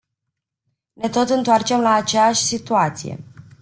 Ne tot întoarcem la aceeași situație.